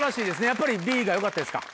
やっぱりＢがよかったですか？